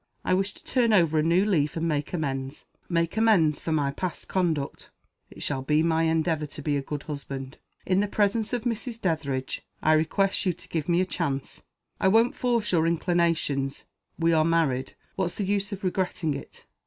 I wish to turn over a new leaf and make amends make amends for my past conduct. It shall be my endeavor to be a good husband. In the presence of Mrs. Dethridge, I request you to give me a chance. I won't force your inclinations. We are married what's the use of regretting it?